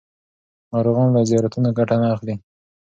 ناروغان له زیارتونو ګټه نه اخلي.